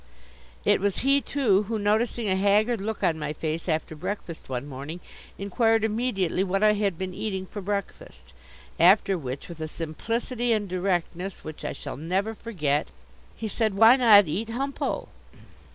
It was he, too, who, noticing a haggard look on my face after breakfast one morning, inquired immediately what I had been eating for breakfast; after which, with a simplicity and directness which I shall never forget, he said: "Why not eat humpo?"